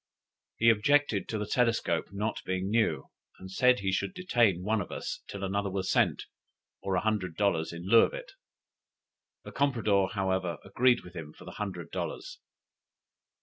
He objected to the telescope not being new; and said he should detain one of us till another was sent, or a hundred dollars in lieu of it. The compradore, however, agreed with him for the hundred dollars.